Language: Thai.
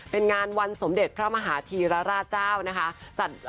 เป็นงานวันสมเด็จพระมหาธีรราชเจ้านะคะ